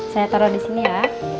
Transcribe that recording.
saya taro disini ya